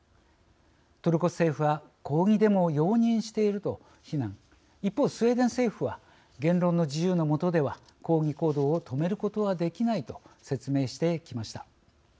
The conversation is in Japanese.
トルコ政府は抗議デモを容認していると非難一方、スウェーデン政府は言論の自由のもとでは抗議行動を止めることはできないと説明してきました。